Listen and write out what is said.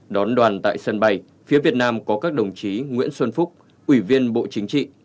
đón đoàn tại sân bay phía việt nam có các đồng chí nguyễn xuân phúc ủy viên bộ chính trị